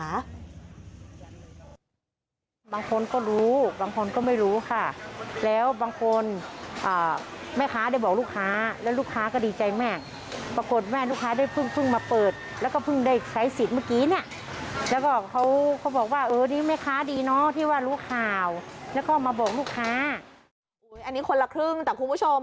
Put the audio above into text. อันนี้คนละครึ่งแต่คุณผู้ชม